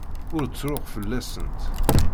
Ur ttruɣ fell-asent.